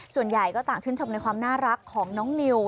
ส่วนใหญ่ก็ต่างชื่นชมในความน่ารักของน้องนิว